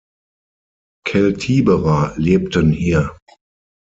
Keltiberer lebten hier.